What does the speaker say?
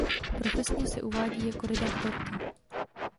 Profesně se uvádí jako redaktorka.